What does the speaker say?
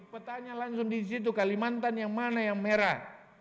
petanya langsung di situ kalimantan yang mana yang merah